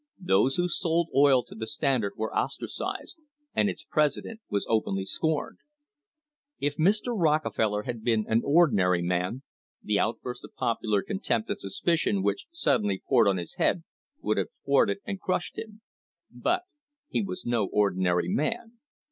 Those who sold oil to the Standard were ostracised, and its president was openly scorned. If Mr. Rockefeller had been an ordinary man the outburst of popular contempt and suspicion which suddenly poured on his head would have thwarted and crushed him. But he was no ordinary man.